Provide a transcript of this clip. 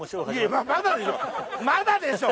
だでしょ！？